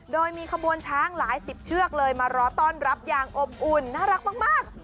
โดยมีขบวนช้างหลายสิบเชือกเลยมารอต้อนรับอย่างอบอุ่นน่ารักมาก